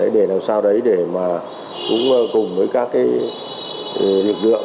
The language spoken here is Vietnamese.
để làm sao đấy để mà cũng cùng với các lực lượng